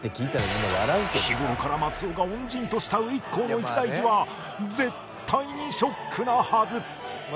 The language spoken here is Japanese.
日頃から松尾が恩人と慕う ＩＫＫＯ の一大事は絶対にショックなはず